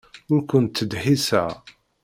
Ur kent-ttdeḥḥiseɣ.